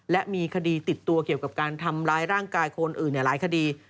และมีคดีติดตัวเกี่ยวกับการทำร้ายร่างกายคนอื่นหลายคดี